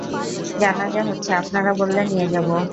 জানাজা হচ্ছে, আপনারা বললে নিয়ে যাবো।